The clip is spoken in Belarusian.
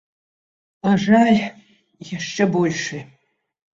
А жаль яшчэ большы.